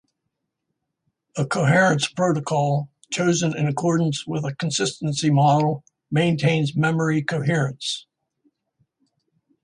A coherence protocol, chosen in accordance with a consistency model, maintains memory coherence.